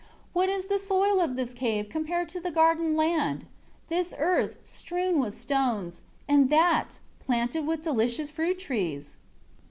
7 What is the soil of this cave compared with the garden land? This earth, strewed with stones; and that, planted with delicious fruit trees?"